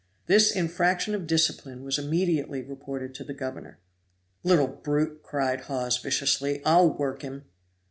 This infraction of discipline was immediately reported to the governor. "Little brute," cried Hawes, viciously, "I'll work him!"